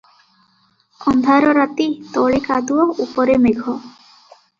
ଅନ୍ଧାର ରାତି- ତଳେ କାଦୁଅ- ଉପରେ ମେଘ ।